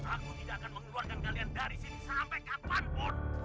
aku tidak akan mengeluarkan kalian dari sini sampai kapanpun